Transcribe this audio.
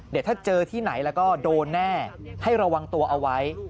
เดี๋ยวถ้าเจอที่ไหนแล้วก็โดนแน่ให้ระวังตัวเอาไว้